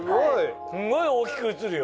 すんごい大きく写るよ。